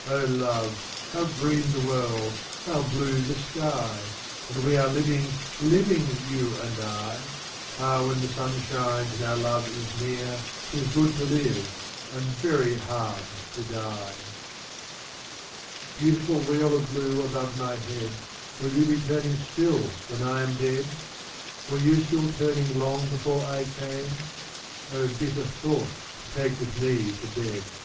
O love, how green the world, how blue the sky! And we are living — living — you and I! fi^.Ah, when the sun shines and our love is near, 'Tis good to live, and very hard to die. 36 Beautiful wheel of blue above my head. Will you be turning still when I am dead? 'S''^* Were you still turning long before I came? O bitter thought to take with me to bed.